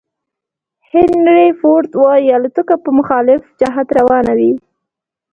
هینري فورد وایي الوتکه په مخالف جهت روانه وي.